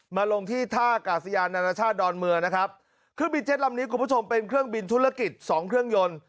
ลงที่ท่ากาศยานานาชาติดอนเมืองนะครับเครื่องบินเจ็ตลำนี้คุณผู้ชมเป็นเครื่องบินธุรกิจสองเครื่องยนต์